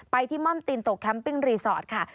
ที่ม่อนตินตกแคมปิ้งรีสอร์ทค่ะ